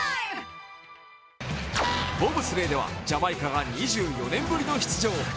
ボブスレーではジャマイカが２４年ぶりの出場。